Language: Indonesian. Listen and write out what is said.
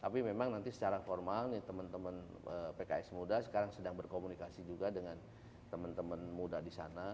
tapi memang nanti secara formal nih teman teman pks muda sekarang sedang berkomunikasi juga dengan teman teman muda di sana